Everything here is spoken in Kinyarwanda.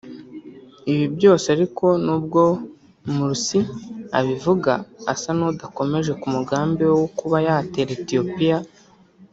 Ibi byose ariko n’ubwo Mursi abivuga asa n’udakomeje ku mugambi we wo kuba yatera Ethiopia